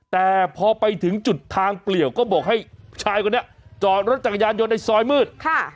แต่พอไปถึงจุดทางเปลี่ยวก็บอกให้ชายคนนี้จอดรถจักรยานยนต์ในซอยมืด